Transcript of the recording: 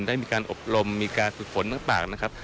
ได้มีการอบรมมีการฝึกฝนต่างนะครับ